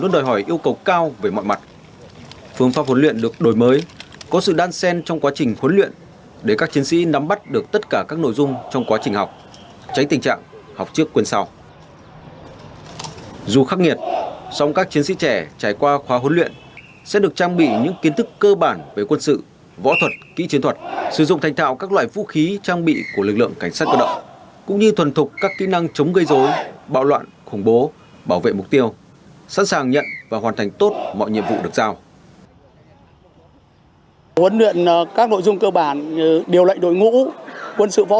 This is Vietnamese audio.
dù khắc nghiệt song các chiến sĩ trẻ trải qua khóa huấn luyện sẽ được trang bị những kiến thức cơ bản về quân sự võ thuật kỹ chiến thuật sử dụng thành thạo các loại vũ khí trang bị của lực lượng cảnh sát cơ động cũng như thuần thục các kỹ năng chống gây dối bạo loạn khủng bố bảo vệ mục tiêu sẵn sàng nhận và hoàn thành tốt mọi nhiệm vụ được giao